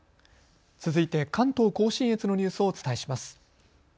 続いて関東甲信越のニュースをお伝えします。